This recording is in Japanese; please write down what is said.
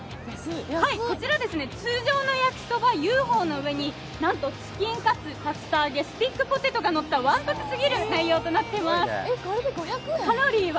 こちら通常の焼そばＵ．Ｆ．Ｏの上になんとチキンカツ、竜田揚げ、スティックポテトがのったわんぱくすぎる内容となっています。